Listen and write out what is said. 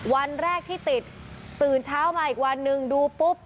วันแรกที่ติดตื่นเช้ามาอีกวันหนึ่งดูปุ๊บ